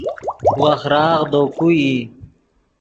وخراغ دے کو ای